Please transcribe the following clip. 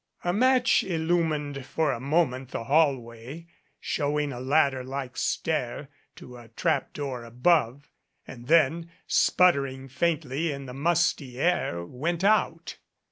A match illumined for a moment the hall way, showing a ladder like stair to a trap door above, and then, sputtering faintly in the musty air, went out.